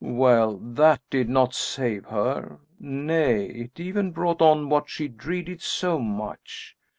"Well, that did not save her; nay, it even brought on what she dreaded so much.